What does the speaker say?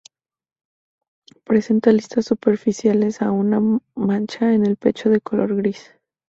Presenta listas superciliares y una mancha en el pecho de color gris.